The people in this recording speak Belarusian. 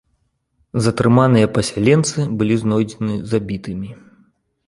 Затрыманыя пасяленцы, былі знойдзены забітымі.